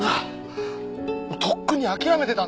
とっくに諦めてたんだよ！